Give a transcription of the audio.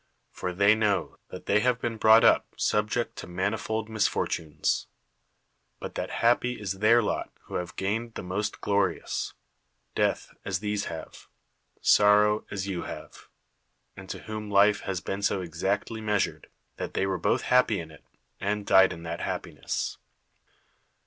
For they know that they have been brought up sub ject to manifold misfortunes; but that happy is their lot who have gained the most glorious — death, as these have, — sorrow, as you have ; and to whom life has been so exactly measured, that they were both happy in it, and died in [that happiness].